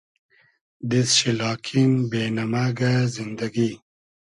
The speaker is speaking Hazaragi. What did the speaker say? دیست شی لاکین بې نئمئگۂ زیندئگی